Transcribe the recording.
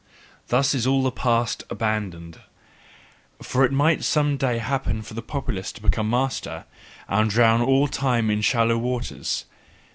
Thus is all the past abandoned: for it might some day happen for the populace to become master, and drown all time in shallow waters.